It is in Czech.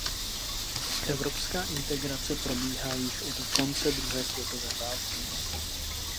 Evropská integrace probíhá již od konce druhé světové války.